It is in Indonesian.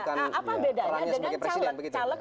apa bedanya dengan calon